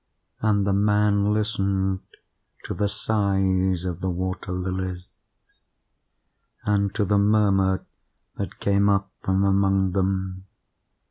And the man listened to the sighs of the water lilies, and to the murmur that came up from among them.